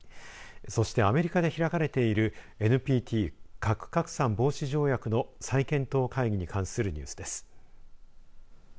そして、アメリカで開かれているＮＰＴ、核拡散防止条約の再検討会議に関するニュースです。